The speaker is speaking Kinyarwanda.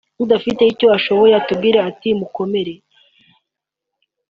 udafite icyo ashoboye atubwire ati mukomere